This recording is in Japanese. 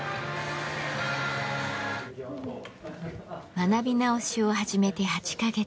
学び直しを始めて８カ月。